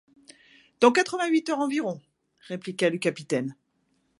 Dans quatre-vingt-huit heures environ, répliqua le capitaine.